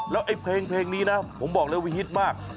แล้วไอ้เพลงนี้นะผมบอกเลยว่าฮิตมาก